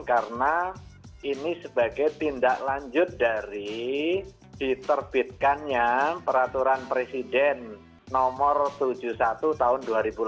karena ini sebagai tindak lanjut dari diterbitkannya peraturan presiden no tujuh puluh satu tahun dua ribu delapan belas